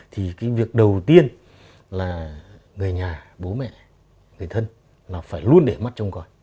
thì cái việc đầu tiên là người nhà bố mẹ người thân là phải luôn để mắt trong con